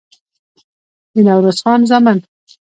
د نوروز خان زامن